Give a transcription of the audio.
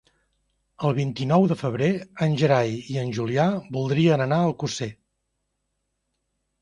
El vint-i-nou de febrer en Gerai i en Julià voldrien anar a Alcosser.